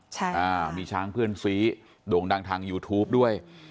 ใช่อ่ามีช้างเพื่อนซีโด่งดังทางยูทูปด้วย